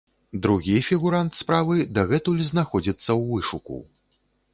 Другі фігурант справы дагэтуль знаходзіцца ў вышуку.